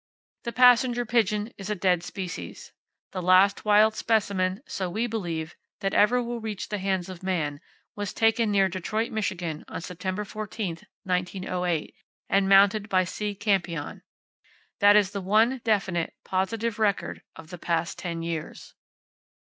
The passenger pigeon is a dead species. The last wild specimen (so we believe) that ever will reach the hands of man, was taken near Detroit, Michigan, on Sept. 14, 1908, and mounted by C. Campion. That is the one definite, positive record of the past ten years.